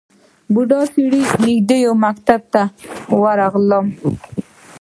بودا سره نژدې یو مکتب ته ورغلم.